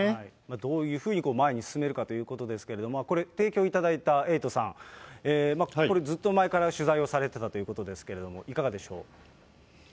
どういうふうに前に進めるかということですけれども、これ、提供いただいたエイトさん、これずっと前から取材をされてたということですけれども、いかがでしょう。